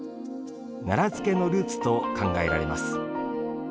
奈良漬のルーツと考えられます。